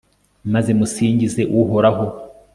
maze musingize uhoraho